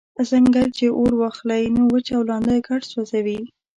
« ځنګل چی اور واخلی نو وچ او لانده ګډ سوځوي»